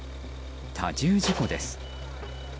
多重事故です。